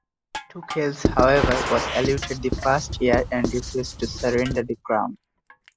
Eteocles, however, was allotted the first year, and refused to surrender the crown.